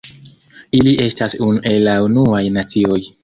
Ili estas unu el la Unuaj Nacioj.